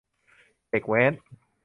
เด็กแว้น